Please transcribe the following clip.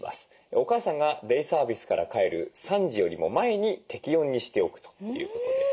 お母さんがデイサービスから帰る３時よりも前に適温にしておくということです。